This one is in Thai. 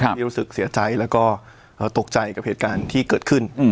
รู้สึกเสียใจแล้วก็ตกใจกับเหตุการณ์ที่เกิดขึ้น